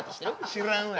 知らんわ。